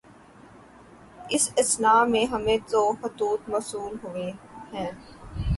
اس اثنا میں ہمیں جو خطوط موصول ہوئے ہیں